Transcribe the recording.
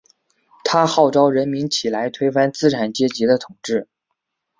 他号召人民起来推翻资产阶级的统治。